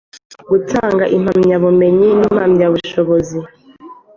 Gutanga impamyabumenyi n impamyabushozi